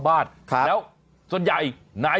เบิร์ตลมเสียโอ้โห